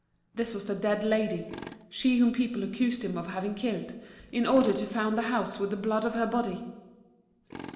This was the dead lady, she whom people accused him of having killed, in order to found the house with the blood of her body.